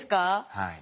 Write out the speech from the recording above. はい。